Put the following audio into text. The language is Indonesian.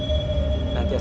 aku sudah lah understand